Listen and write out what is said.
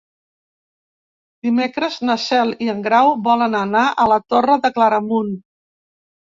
Dimecres na Cel i en Grau volen anar a la Torre de Claramunt.